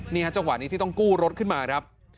จังหวะนี้ที่ต้องกู้รถขึ้นมาครับ